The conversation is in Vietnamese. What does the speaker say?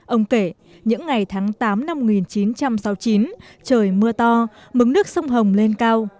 ông kể những ngày tháng tám năm một nghìn chín trăm sáu mươi chín trời mưa to mức nước sông hồng lên cao